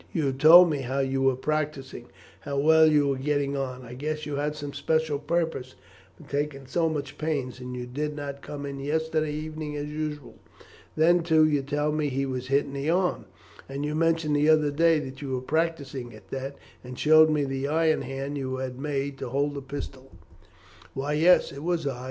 You have told me how you were practising, and how well you were getting on. I guessed you had some special purpose for taking so much pains, and you did not come in yesterday evening as usual. Then, too, you tell me he was hit in the arm, and you mentioned the other day that you were practising at that, and showed me the iron hand you had had made to hold a pistol." "Well, yes, it was I.